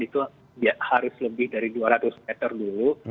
itu harus lebih dari dua ratus meter dulu